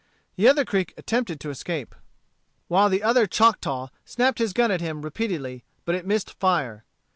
The other Creek attempted to escape, while the other Choctaw snapped his gun at him repeatedly, but it missed fire.